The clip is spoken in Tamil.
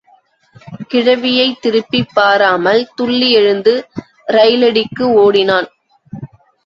கிழவியைத் திரும்பிப் பாராமலே துள்ளி எழுந்து ரயிலடிக்கு ஓடினான்.